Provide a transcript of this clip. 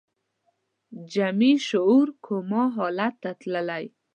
جمعي شعور کوما حالت ته تللی